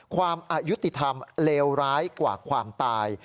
ความอายุติธรรมเลวร้ายกว่าความตาย